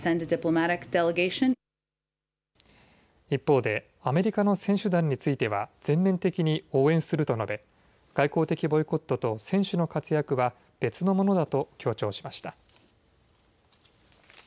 一方でアメリカの選手団については全面的に応援すると述べ外交的ボイコットと選手の活躍は別のものだと強調しました。